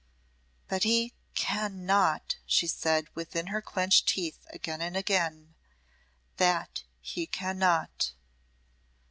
"But he can not," she said, within her clenched teeth, again and again "that he cannot."